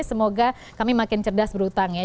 semoga kami makin cerdas berhutang ya